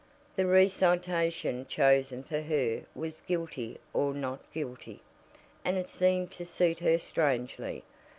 The recitation chosen for her was "Guilty or Not Guilty?" and it seemed to suit her strangely.